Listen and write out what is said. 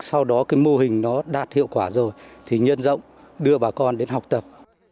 sau đó cái mô hình nó đạt hiệu quả rồi thì nhân rộng đưa bà con đến học tập